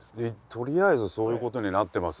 とりあえずそういうことになってます。